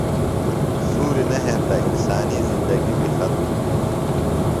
سُوری نہ ہینتہ انسانی زندگی بیۡ ختم بھی۔